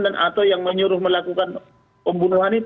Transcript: atau yang menyuruh melakukan pembunuhan itu